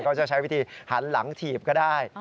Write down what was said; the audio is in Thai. จะใช้วิธีหันหลังถีบก็ได้